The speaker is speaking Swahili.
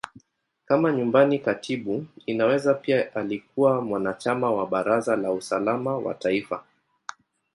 Kama Nyumbani Katibu, Inaweza pia alikuwa mwanachama wa Baraza la Usalama wa Taifa.